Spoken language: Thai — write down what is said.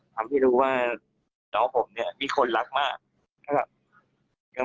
ทำให้รู้ว่าน้องผมเนี่ยมีคนรักมากนะครับ